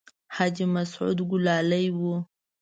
حاجي مسعود ګلالی و.